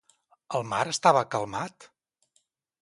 El mar estava calmat?